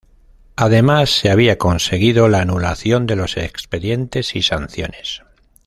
Además se había conseguido la anulación de los expedientes y sanciones.